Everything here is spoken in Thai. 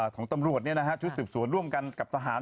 ของตำรวจเนี่ยนะฮะชุดสืบสวนร่วมกันกับสหาร